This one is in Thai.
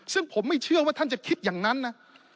ซึ่งผมไม่เชื่อว่าท่านจะคิดอย่างนั้นนะ